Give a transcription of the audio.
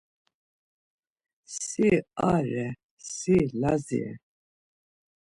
Si are, si Lazi re.